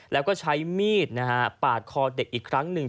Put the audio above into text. แล้วก็ใช้มีดปาดคอเด็กอีกครั้งหนึ่ง